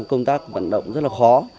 công tác vận động rất khó